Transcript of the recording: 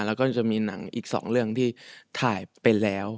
แล้วก็จะมีหนังอีก๒เรื่องที่ถ่ายไปแล้ว